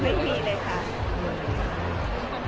มาเป็นคนที่เลือกอะไรมาต่อกันนะคะ